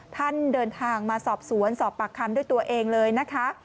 เดินทางมาสอบสวนสอบปากคำด้วยตัวเองเลยนะคะ